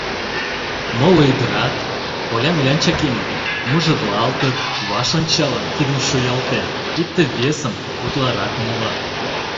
Моло ӱдырат олян-олян чакемыт, мужырлалтыт, ваш ончалын, кидым шуялтен, икте-весым утларак умылат.